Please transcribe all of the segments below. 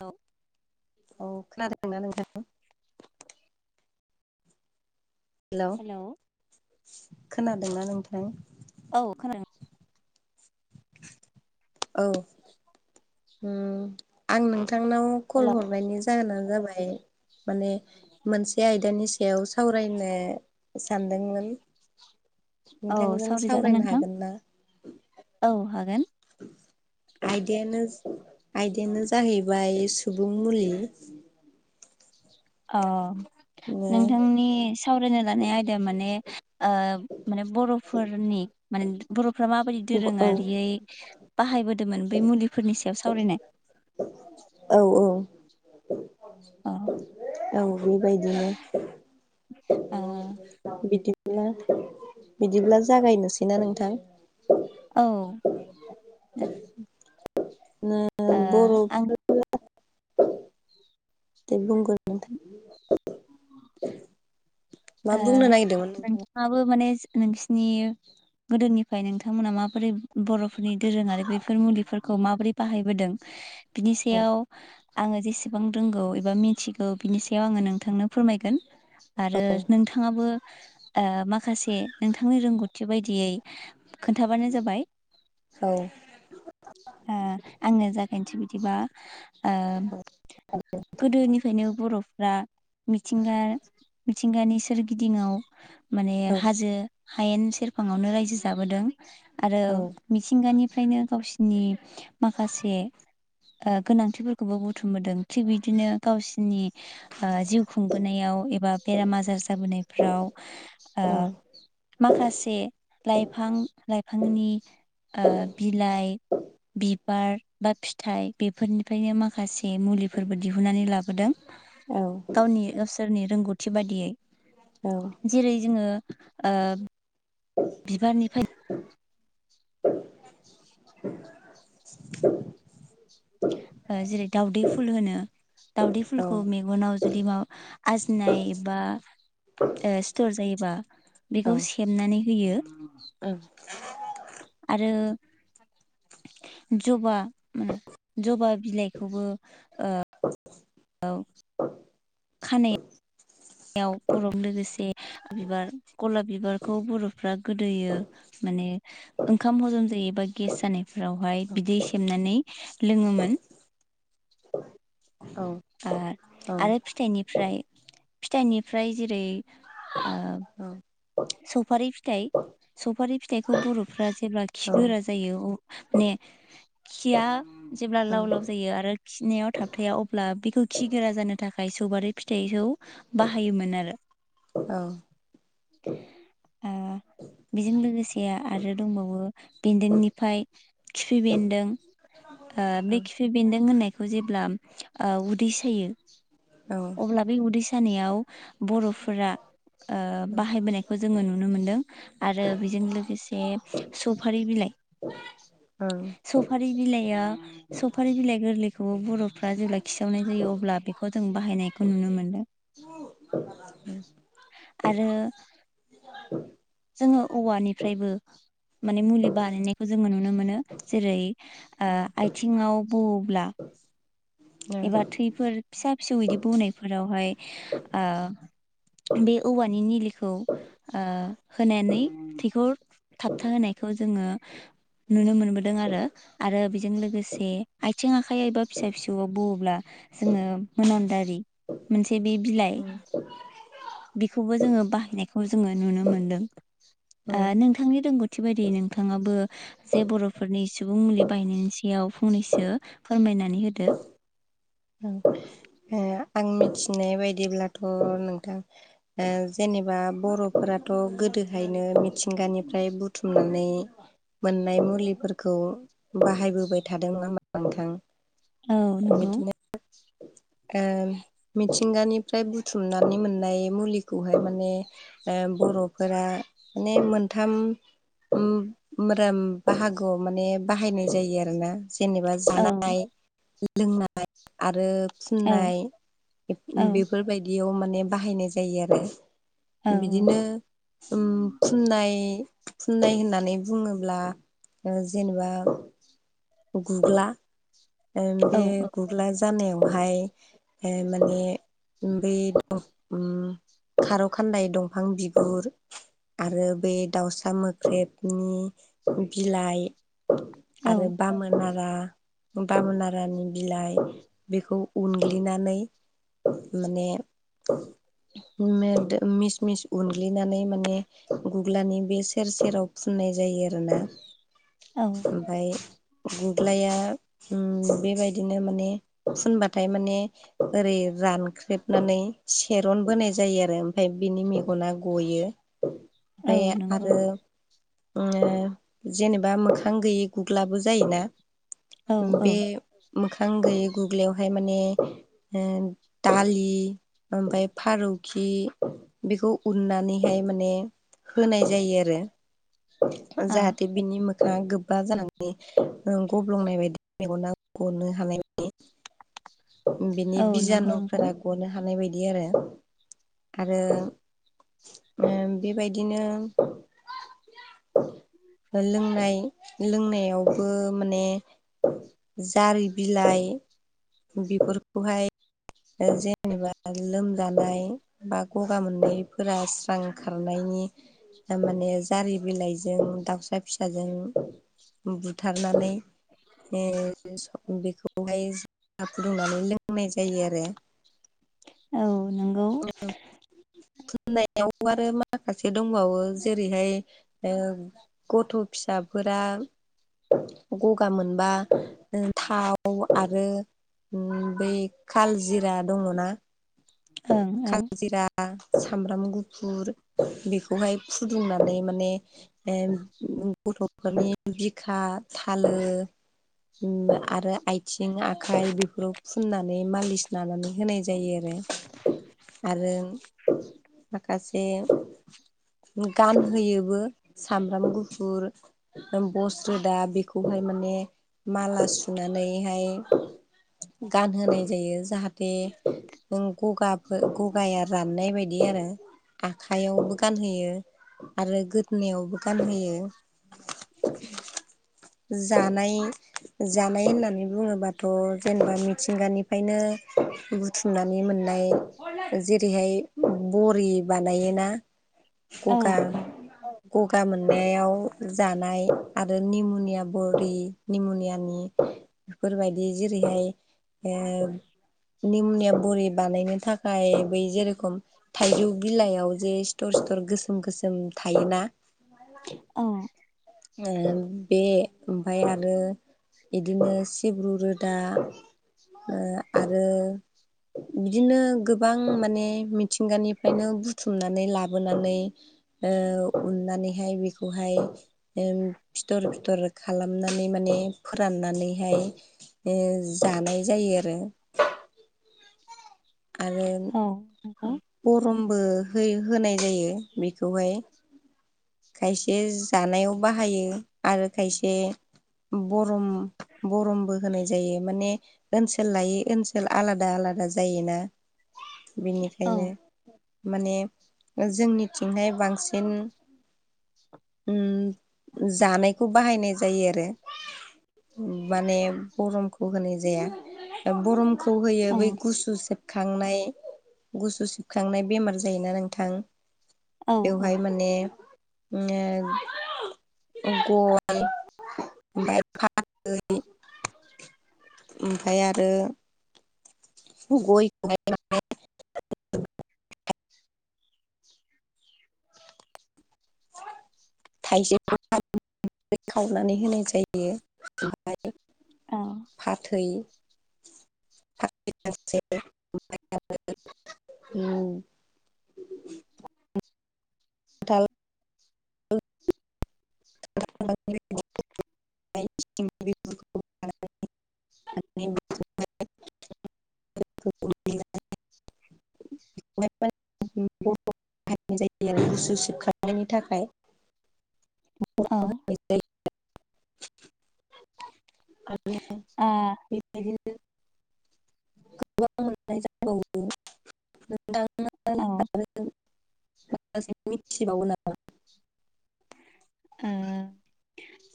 औ। औ खोनादोंना नोंथां? हेल' हेलौ खोनादोंना नोंथां? औ खोनादों। औ ओम आं नोंथांनाव कल खोनादों हरनायनि। जाहोना जाबाय माने मोनसे आयदानि सायाव सावरायनो सानदोंमोन औ नोंथांजों सावरायजागोन सावरायनो नोंथां हागोन ना? औ हागोन आयदायानो आयदायानो जाहैबाय सुबुं मुलि। औ ओ नोंथांनि सावरायनो लानाय आयदा माने। ओ माने बर'फोरनि माने बर'फ्रा माबायदि औ दोरोङारियै बाहायबोदोंमोन बै मुलिफोरनि सायाव सावरायनाय औ औ। औ औ बेबायदिनो [unintelligible] बिदिब्ला बिदिब्ला जागायनोसैना नोंथां। औ दे। नो बर'फोर आं दे बुंगोन नोंथां। मा ओ बुंनो नागिरदोंमोन नोंथां नोंथाङाबो माने नोंसिनि गोदोनिफ्राय नोंथांमोना माबोरै बर'फोरनि दोरोङारि बैफोर मुलिफोरखौ माबोरै बाहायबोदों। [unintelligible] बिनि सायाव आङो जेसेबां रोंगौ एबा मिथिगौ बिनि सायाव आङो नोंथांनो फोरमायगोन आरो नोंथां नोंथाङाबो ओ माखासे नोंथांनि रोंगौथि बायदियै खोन्थाबानो जाबाय औ ओ आंनो जागायनोसै बिदिबा ओ गोदोनिफ्रायनो बर'फ्रा मिथिंगा मिथिंगानि सोरगिदिंङाव माने हाजो हायेन सेरफाङावनो रायजो जाबोदों आरो औ औ मिथिंगानिफ्रायनो गावसिनि माखासे ओ गोनांथिफोरखौबो बुथुमबोदों थिग बिदिनो गावसिनि ओ जिउ खुंबोनायाव एबा बेराम आजार जाबोनायफ्राव औ ओ माखासे लाइफां लाइफांनि ओ बिलाइ बिबार बा फिथाइ बेफोरनिफ्रायनो माखासे मुलिफोरबो दिहुननानै लाबोदों गावनि गावसोरनि रोंगौथि बायदियै औ जेरै जोङो बिबारनिफ्राय उ औ [unintelligible] [unintelligible] जेरै दाावदै फुल होनो दावदै फुलखौ मे नाव जुदि मा आजनायबा सिथर जायोबा बेखौ सेबनानै होयो ओं आरो जबा ओ जबा बिलाइखौबो [inaudible] औ खानायाव बर' लोगोसे बिबार गलाब बिबारखौ बर'फ्रा गोदोयो माने ओंखाम हजम जायोबा गेस जानायफोरावहाय बिदै सेबनानै लोङोमोन औ आरो फिथायाइनिफ्राय फिथाइनिफ्राय जेरै ओ औ सफारि फिथाइ सफारि फिथाइखौ बर'फ जेब्ला खि गोरा जायो अ ने खिया जेब्ला लाव लाव जायो आरो खिनायाव थाबथाया अब्ला बेखौ खिगोरा जानो थाखाय सफारि फिथाइखौ बाहायोमोन आरो औ बेजों लोगोसे आरो दंबावो बेन्दोंनिफ्राय खिफि बेन्दों बे खिफि बेन्दों होननायखौ जेब्ला उदै सायो अब्ला बे उदै सानायाव बर'फोरा बाह यबोनायखौ जोङो नुनो मोन्दों आरो बेजों लोगोसे सफारि बिलाइ ओ सफारि बिलाइआ सफारि बिलाइ गोरलै बेखौबो बर'फ्रा जेब्ला खिसावनाय जायो अब्ला बेखौ जों बाहायनायखौ नुनो मोनदों उम आरो जोङो औवानिफ्रायबो माने मुलि बानायनायखौ जोङो नुनो मोनो जेरै आथिङाव बौवोब्ला एबा थैफोर फिसा फिसौ बिदि बौनायफोरावहाय बे औवानि निलिखौ ओ होनानै थैखौ थाबथा होनायखौ जोङो नुनो मोनबोदों आरो आरो बेजों लोगोसे आथिं आखाइ एबा फिसा फिसौ आव बौवोब्ला जोङो मोनामदारि मोनसे बे बिलाइ बेखौबो जोङो बाहायनायखौ जोङो नुनो मोनदों। ओ नोंथां नोंथांनि रोंगौथि बायदि नोंथाङाबो जे बर'फोरनि सुबुं मुलि बाहायनायनि सायाव फंनैसो फोरमायनानै होदो नंगौ ना आं मिथिनाय बायदिब्लाथ' नोंथां ओ जेनेबा बर'फोराथ' गोदोहायनो मिथिंगानिफ्राय बुथुमनानै मोननाय मुलिफोरखौ बाहायबोबाय थादों नङा होमबा नोंथां। औ नंगौ बिदिनो ओ मिथिंगानिफ्राय बुथुमनानै मोननाय मुलिखौहाय माने ओ बर'फोरा माने मोनथाम ओम मोदोम बाहागोआव माने बाहायनाय जायो आरो ना जेनेबा औ जानाय लोंनाय आरो औ फुननाय औ बेफोरबायदियाव माने बाहायनाय जायो आरो औ बिदिनो ओम फुननाय फुननाय होननानै बुङोब्ला जेनेबा गुग्ला बे औ गुग्ला जानायावहाय माने बै औ उम खारौ खान्दाय दंफां बिगुर आरो बे दाउसा मोख्रेबनि बिलाइ औ आरो बामोन नारा बामोन नारानि बिलाइ बेखौ उनग्लिनानै माने मिस मिस उनग्लिनानै माने गुग्लानि बे सेर सेराव फुननाय जायो आरोना औ ओमफ्राय गुग्लाया बेबायदिनो माने फुनबाथाय माने ओरै रानख्रेबनानै सेरन बोनाय जायो आरो ओमफ्राय बिनि मेगना गयो। औ ओमफ्राय नंगौ आरो जेनेबा मोखां गैयि गुग्लाबो जायोना औ औ बे मोखां गैयै गुग्लयावहाय माने ओ दालि ओमफ्राय फारौखि बेखौ उननानैहाय माने होनाय जायो आरो औ जाहाथे बिनि मोखाङा गोबा जानानै गब्लंनाय बायदि मेगना गनो हानाय बादि बिनि औ नंगौ नोंथां बिजानुफोरा गनो हानाय बायदि आरो आरो बेबायदिनो लोंनाय लोंनायावबो माने जारि बिलाइ बेफोरखौहाय जेनेबा लोमजानाय बा गगा मोननायफोरा स्रां खारनायनि थारमाने जारि बिलाइजों दाउसा फिसाजों बुथारनानै बेखौहाय फुदुंनानै लोंनाय जायो आरो। औ नोंगौ फुननायाव आरो माखासे दंबावो जेरैहाय ओ गथ' फिसाफोरा गगा मोनबा थाव आरो बै काल जिरा दङना ओं औ काल जिरा सामब्राम गुफुर बेखौहाय फुदुंनानै माने ए गथ'फोरनि बिखा थालो आरो आथिं आखाय बेफोराव फुननानै मालिस लानानै होनाय जायो आरो। [inaudible] आरो माखासे गानहोयोबो सामब्राम गुफुर बस् रोदा बेखौहाय माने माला सुनानैहाय गानहोनाय जायो जाहाथे गगाफोर गगाया राननाय बायदि बिदि आरो आखाइयावबो गानहोयो आरो गोदोनायावबो गानहोयो। जानाय जानाय होननानै बुङोब्ला थ' जेनेबा मिथिंगानिफ्रायनो बुथुम फुनानै मोननाय जेरैहाय बरि बानायोना? औ गगा औ गगा मोननायाव जानाय आरो निम'निया बरि निम'नियानि बेफोरबायदि जेरैहाय निम निया बुरि बानायनो थाखाय बै जेरखम थाइजौ बिलाइआव जे सिथर सि्थर गोसोम गोसोम थायोना। औ बे ओमफाय आरो इदिनो सिब्रु रोदा आरो बिदिनो गोबां माने मिथिंगानिफ्रायनो बुथुमनानै लाबोनानै औ हनानैहाय बेखौहाय फिथर फिथर खालामनानै माने फोराननानैहाय ओ जानाय जायो आरो। आरो औ नंगौ गरमबो होनाय जायो बेखौहाय खायसे जानायाव बाहायो आरो खायसे बरम बरमबो होनाय जायो माने ओनसोल लायै ओनसोल आलादा आलादा जायोना। औ बेनिखायनो माने जोंनिथिंहाय बांसिन जानायखौ बाहायनाय जायो आरो। माने बरमखौ होनाय जाया बरम खौ होयो औ बै गुसु सेबखांनाय गुसु सेबखांनाय बेमार जायोना नोंथां। औ औ बेवहाय माने गय ओमफ्राय फालै [unintelligible] ओमफफ्राय आरो गय [unintelligible] [unintelligible] खावनानै होनाय जायो ओमफ्राय [unintelligible] औ फाथै [unintelligible] [unintelligible] [unintelligible] [unintelligible] [unintelligible] जायो आरो गुसु सिबखांनायनि थाखाय औ [unintelligible] [unintelligible] ओ बेबायदिनो गोबां मोननाय जाबावो औ मोनदांङा मिथिबावो आरो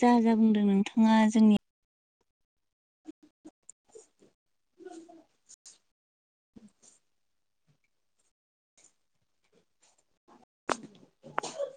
जा जा बुंदों नोंथांङा जोंनि